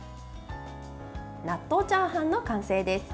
納豆チャーハンの完成です。